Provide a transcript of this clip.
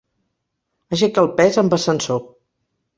Aixeca el pes amb ascensor.